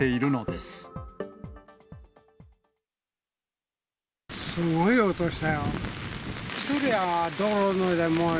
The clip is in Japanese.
すごい音したよ。